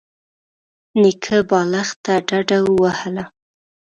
نيکه بالښت ته ډډه ووهله.